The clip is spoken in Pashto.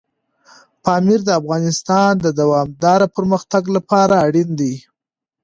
پامیر د افغانستان د دوامداره پرمختګ لپاره اړین دی.